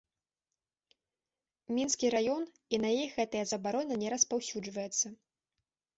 Мінскі раён, і на іх гэтая забарона не распаўсюджваецца.